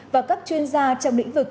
và các chuyên gia trong lĩnh vực